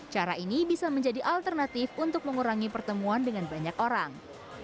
cara ini bisa menjadi alternatif untuk mengurangi pertemuan dengan banyak orang